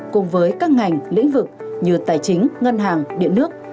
cùng với các ngành lĩnh vực như tài chính ngân hàng điện nước